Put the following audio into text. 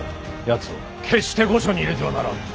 やつを決して御所に入れてはならん。